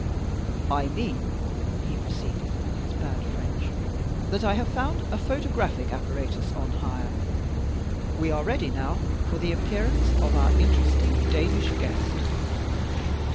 "I mean," he proceeded, in his bad French, "that I have found a photographic apparatus on hire. We are ready now for the appearance of our interesting Danish guest."